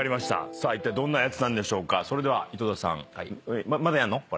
さあいったいどんなやつなんでしょうか。